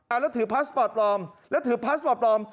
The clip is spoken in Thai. แล้วถือพาสปอร์ตปลอมแล้วถือพาสปอร์ตปลอม